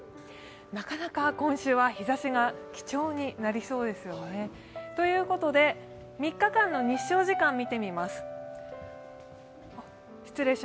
なかなか今週は日ざしが貴重になりそうですね。ということで３日間の日照時間、見てみます。